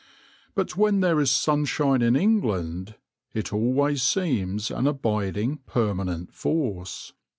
But when there is sunshine in England, it always seems an abiding, permanent force.